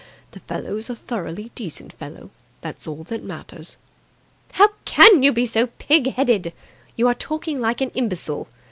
"The fellow's a thoroughly decent fellow. That's all that matters." "How can you be so pig headed! You are talking like an imbecile.